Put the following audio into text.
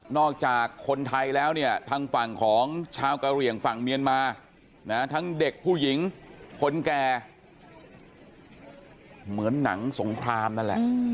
จากคนไทยแล้วเนี่ยทางฝั่งของชาวกะเหลี่ยงฝั่งเมียนมาทั้งเด็กผู้หญิงคนแก่เหมือนหนังสงครามนั่นแหละ